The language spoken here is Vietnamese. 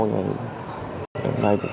hôm nay cũng không phải được